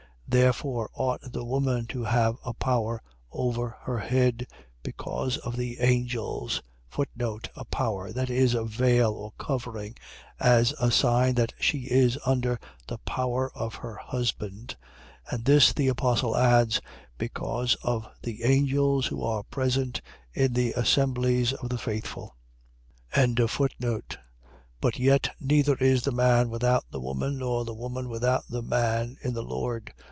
11:10. Therefore ought the woman to have a power over her head, because of the angels. A power. . .that is, a veil or covering, as a sign that she is under the power of her husband: and this, the apostle adds, because of the angels, who are present in the assemblies of the faithful. 11:11. But yet neither is the man without the woman, nor the woman without the man, in the Lord.